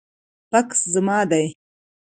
بکس زما دی